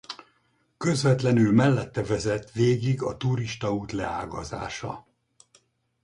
Közvetlenül mellette vezet végig a turistaút leágazása.